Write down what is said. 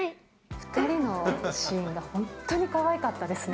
２人のシーンが本当にかわいかったですね。